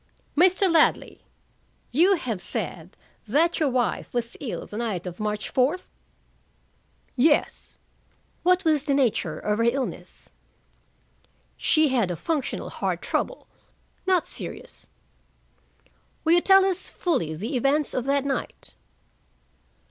"Mr. Ladley, you have said that your wife was ill the night of March fourth?" "Yes." "What was the nature of her illness?" "She had a functional heart trouble, not serious." "Will you tell us fully the events of that night?"